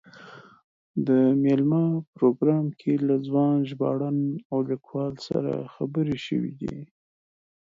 د مېلمه پروګرام کې له ځوان ژباړن او لیکوال سره خبرې شوې دي.